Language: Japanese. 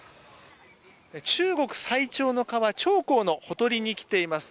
中国最長の川長江のほとりに来ています。